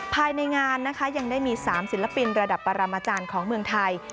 ภายในงานนะคะยังได้มี๓ศิลปินระดับปรมาจารย์ของเมืองไทย